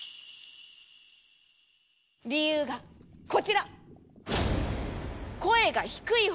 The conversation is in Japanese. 理由がこちら！